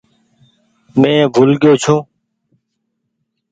مين بهول گئيو ڇو۔